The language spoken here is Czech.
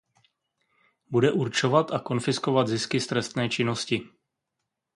Bude určovat a konfiskovat zisky z trestné činnosti.